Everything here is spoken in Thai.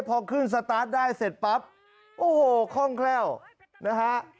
พอขึ้นสตาร์ทได้เสร็จปั๊บโอ้โหคล่องแคล่วนะฮะ